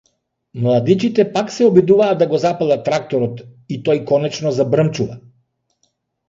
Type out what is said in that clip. Младичите пак се обидуваат да го запалат тракторот и тој конечно забрмчува.